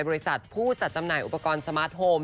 บริษัทผู้จัดจำหน่ายอุปกรณ์สมาร์ทโฮม